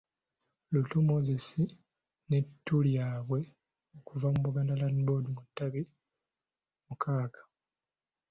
Luutu Moses n'ettu lyabwe okuva mu Buganda Land Board mu matabi mukaaga.